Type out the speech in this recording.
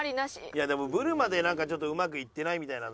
いやでもブルマでなんかちょっとうまくいってみたいな。